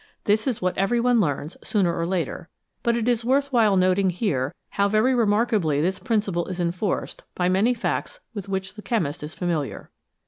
This is what every one learns sooner or later, but it is worth while noting here how very remarkably this principle is enforced by many facts with which the chemist is familiar.